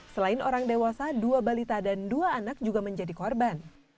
selain orang dewasa dua balita dan dua anak juga menjadi korban